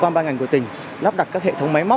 mà chủ yếu là khách nội địa